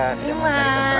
mbak kenalin ini mbak rima